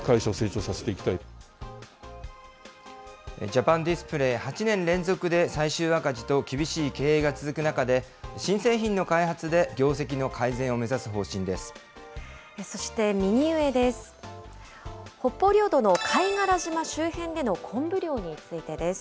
ジャパンディスプレイ、８年連続で最終赤字と、厳しい経営が続く中で、新製品の開発で業績の改善を目指す方針でそして、右上です。